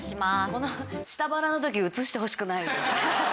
この下腹の時映してほしくない。